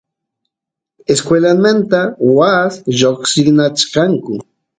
escuelamanta waas lloqsinachkanku